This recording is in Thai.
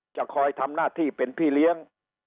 จะคอยทำหน้าที่เป็นพี่เลี้ยง